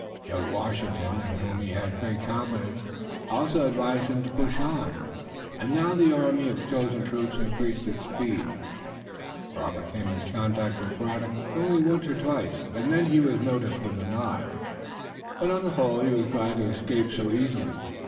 Young Washington, in whom he had great confidence, also advised him to push on, and now the army of chosen troops increased its speed. Robert came into contact with Braddock only once or twice, and then he was noticed with a nod, but on the whole he was glad to escape so easily.